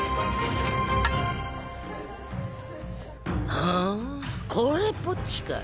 ふんこれっぽっちかい。